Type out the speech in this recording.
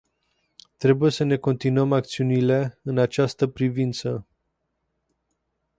Trebuie să ne continuăm acțiunile în această privință.